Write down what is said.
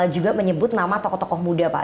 juga menyebut nama tokoh tokoh muda pak